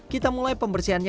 kita mulai pembersihannya